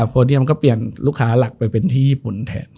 โพเดียมมันก็เปลี่ยนลูกค้าหลักไปเป็นที่ญี่ปุ่นแทน